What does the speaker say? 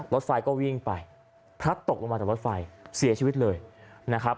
รถไฟก็วิ่งไปพลัดตกลงมาจากรถไฟเสียชีวิตเลยนะครับ